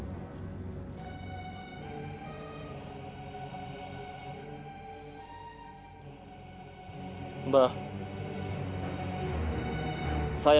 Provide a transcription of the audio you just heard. pergi ke sana